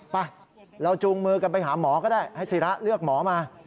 ไปเราจูงมือกันไปหาหมอก็ได้ให้ศิระเลือกหมอมา